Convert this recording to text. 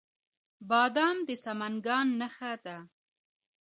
بادام د سمنګان نښه ده.